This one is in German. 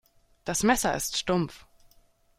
Das Messer ist stumpf.